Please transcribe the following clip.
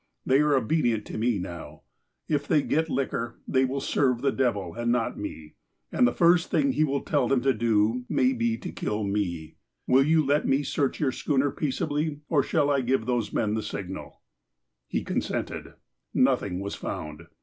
They are obedient to me now. If they get liquor, they will serve the devil, and not me, and the first thing he will tell them to do may be to kill me. Will you let me search your schooner peaceably, or shall I give those men the signal ?" He consented. Nothing was found.